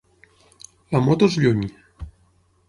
La moto és lluny.